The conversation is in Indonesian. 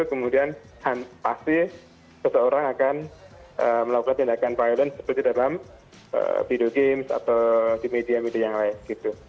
kemudian pasti seseorang akan melakukan tindakan violence seperti dalam video games atau di media media yang lain gitu